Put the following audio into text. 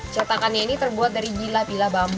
cetakannya ini terbuat dari bilah bila bambu